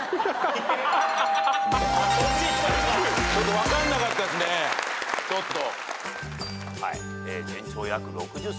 分かんなかったですねちょっと。